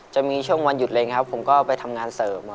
จะมีช่วงวันหยุดเล็งครับผมก็ไปทำงานเสริม